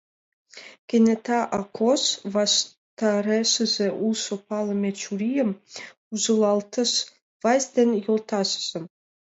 Кенета Акош ваштарешыже улшо палыме чурийым ужылалтыш: «Вайс ден йолташыжым».